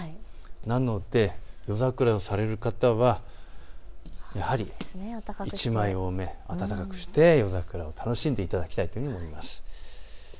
なので夜桜をされる方はやはり１枚多め、暖かくして夜桜を楽しんでいただきたいというふうに思います。